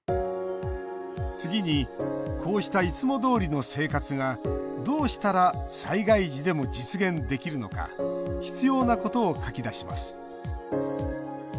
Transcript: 次に、こうしたいつもどおりの生活がどうしたら災害時でも実現できるのか必要なことを書き出します。